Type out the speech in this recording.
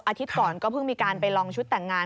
ก่อนก็เพิ่งมีการไปลองชุดแต่งงาน